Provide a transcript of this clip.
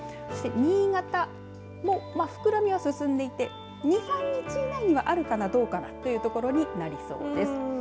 そして新潟も膨らみは進んでいて２、３日以内にはあるかなというところになりそうです。